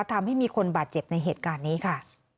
ทำให้มีคนบาดเจ็บในเหตุการณ์นี้ค่ะ